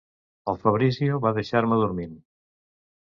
El Fabrizio va deixar-me dormint.